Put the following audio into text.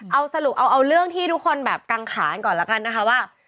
เอาสรุปเอาเรื่องที่ทุกคนแบบกังขานก่อนแล้วกันนะคะว่า